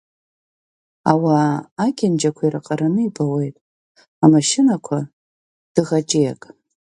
Ауаа акьанџьақәа ираҟараны ибауеит, амашьынақәа дыӷаҷиак.